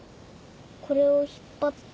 これを引っ張って。